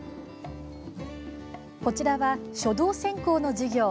こちらは書道専攻の授業。